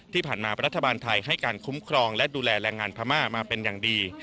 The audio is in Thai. ที่ผ่านมารัฐบาลไทยให้การคุ้มครองและดูแลแรงงานพม่ามาเป็นอย่างดี